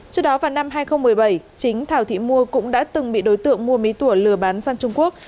trước đó vào năm hai nghìn một mươi bảy chính thảo thị mua cũng đã từng bị đối tượng mua mí tủa lừa bán sang trung quốc